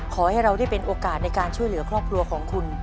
ขอให้เราได้เป็นโอกาสในการช่วยเหลือครอบครัวของคุณ